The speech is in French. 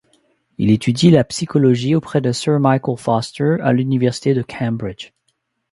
Il étudie la physiologie auprès de Sir Michael Foster à l'université de Cambridge.